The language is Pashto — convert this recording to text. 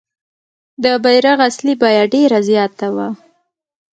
د بیرغ اصلي بیه ډېره زیاته وه.